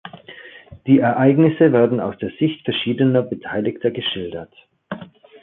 Die Ereignisse werden aus der Sicht verschiedener Beteiligter geschildert.